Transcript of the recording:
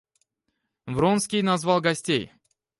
Вронский назвал гостей.